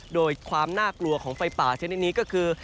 โดยความน่ากลัวของไฟป่าชนิดนี้ก็คือ